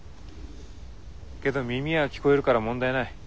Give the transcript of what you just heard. けど耳は聞こえるから問題ない。